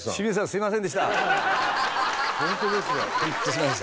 すみませんでした。